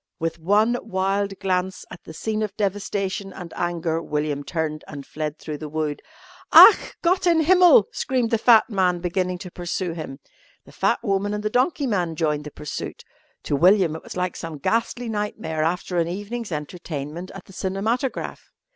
With one wild glance at the scene of devastation and anger, William turned and fled through the wood. "Ach! Gott in Himmel!" screamed the fat man, beginning to pursue him. The fat woman and the donkey man joined the pursuit. To William it was like some ghastly nightmare after an evening's entertainment at the cinematograph.